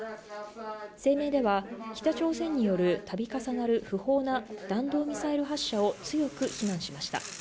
声明では、北朝鮮による度重なる不法な弾道ミサイル発射を強く非難しました。